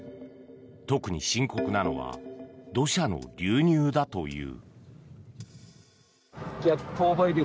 特に深刻なのは土砂の流入だという。